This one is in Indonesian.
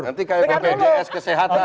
nanti kayak bgns kesehatan